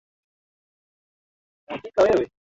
mwenyeji anaweza kufanya mambo mengi sana